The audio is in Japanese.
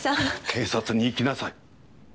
警察に行きなさい。